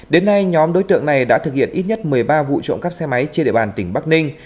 đến nay nhóm đối tượng này đã thực hiện ít nhất một mươi ba vụ trộm cắp xe máy trên địa bàn tỉnh bắc ninh